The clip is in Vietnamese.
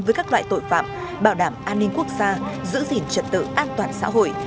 với các loại tội phạm bảo đảm an ninh quốc gia giữ gìn trật tự an toàn xã hội